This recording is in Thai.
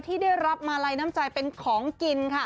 ที่ได้รับมาลัยน้ำใจเป็นของกินค่ะ